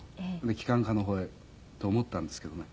機関科の方へと思ったんですけどね